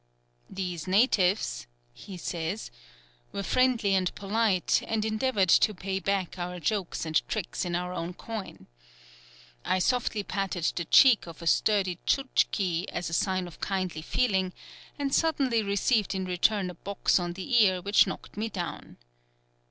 "These natives," he says, "were friendly and polite, and endeavoured to pay back our jokes and tricks in our own coin. I softly patted the cheek of a sturdy Tchouktchi as a sign of kindly feeling, and suddenly received in return a box on the ear which knocked me down.